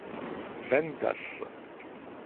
vendas